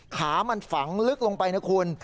ขามันฝังลึกลงไปนะคุณ